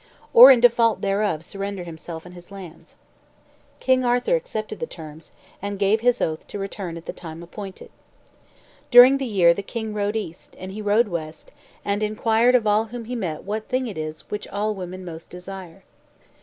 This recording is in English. or in default thereof surrender himself and his lands. King Arthur accepted the terms, and gave his oath to return at the time appointed. During the year the king rode east, and he rode west, and inquired of all whom he met what thing it is which all women most desire.